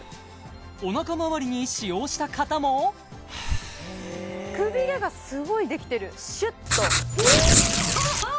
おなかまわりに使用した方もくびれがすごいできてるシュッとお！